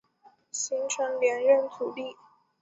形成连任阻力。